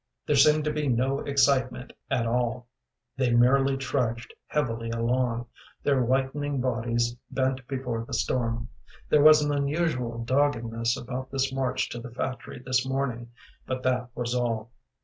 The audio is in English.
There seemed to be no excitement at all. They merely trudged heavily along, their whitening bodies bent before the storm. There was an unusual doggedness about this march to the factory this morning, but that was all.